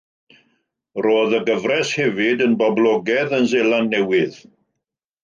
Roedd y gyfres hefyd yn boblogaidd yn Seland Newydd.